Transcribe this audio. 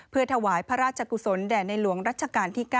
เพื่อถวายพระราชกุศลแด่ในหลวงรัชกาลที่๙